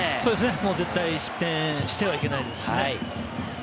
もう絶対失点してはいけないですし。